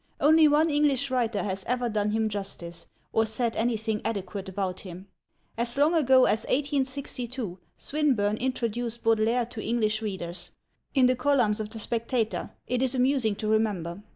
Only one English writer has ever done him justice, or said anything adequate about him. As long ago as 1862 Swinburne introduced Baudelaire to English readers: in the columns of the Spectator, it is amusing to remember.